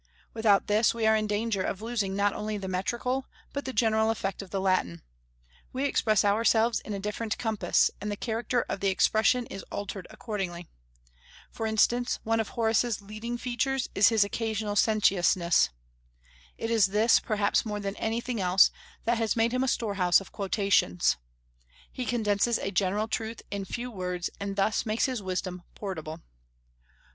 Without this we are in danger of losing not only the metrical, but the general effect of the Latin; we express ourselves in a different compass, and the character of the expression is altered accordingly. For instance, one of Horace's leading features is his occasional sententiousness. It is this, perhaps more than anything else, that has made him a storehouse of quotations. He condenses a general truth in a few words, and thus makes his wisdom portable.